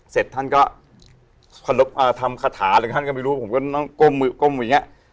เสร็จท่านก็ทำคาถาอะไรกันท่านก็ไม่รู้ผมก็ก้มอย่างนี้